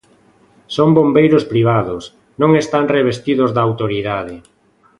Son bombeiros privados, non están revestidos de autoridade.